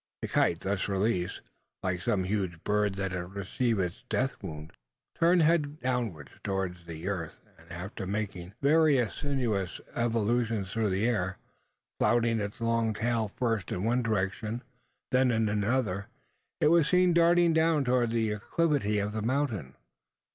The kite, thus released, like some huge bird that had received its death wound, turned head downwards towards the earth; and, after making various sinuous evolutions through the air, flouting its long tail first in one direction then in another it was seen darting down towards the acclivity of the mountain.